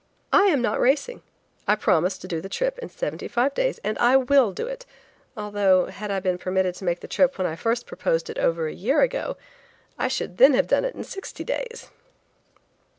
I am not racing. I promised to do the trip in seventy five days, and I will do it; although had I been permitted to make the trip when I first proposed it over a year ago, I should then have done it in sixty days."